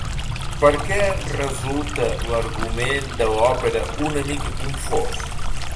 Per què resulta l'argument de l'òpera una mica confós?